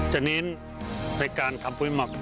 เน้นในการทำปุ๋ยหมัก